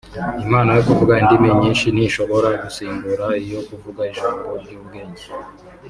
Impano yo kuvuga indimi nyinshi ntishobora gusimbura iyo kuvuga ijambo ry’ubwenge